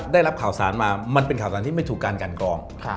ได้รับข่าวสารมามันเป็นข่าวสารที่ไม่ถูกการกันกรอง